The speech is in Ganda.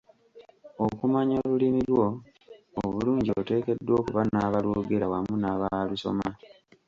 Okumanya olulimi lwo obulungi oteekeddwa okuba n'abalwogera wamu n'abaalusoma.